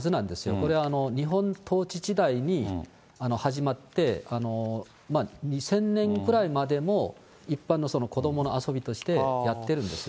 これは日本統治時代に始まって、２０００年ぐらいまでも一般の子どもの遊びとしてやってるんですね。